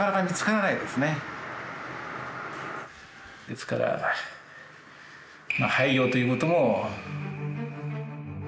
ですからまあ廃業ということも。